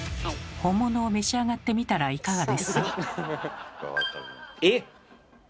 本物を召し上がってみたらいかがですか？